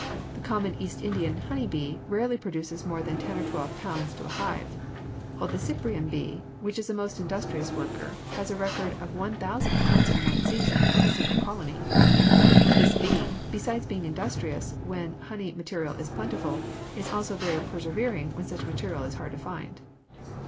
The common East Indian honey bee rarely produces more than ten or twelve pounds to a hive, while the Cyprian bee, which is a most industrious worker, has a record of one thousand pounds in one season from a single colony. This bee, besides being industrious when honey material is plentiful, is also very persevering when such material is hard to find.